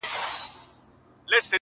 • ه ته خپه د ستړي ژوند له شانه نه يې،